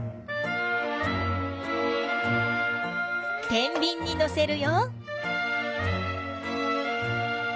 てんびんにのせるよ。